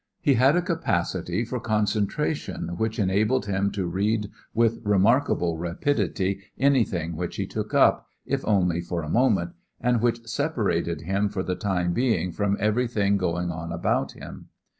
He had a capacity for concentration which enabled him to read with remarkable rapidity anything which he took up, if only for a moment, and which separated him for the time being from everything going on about him.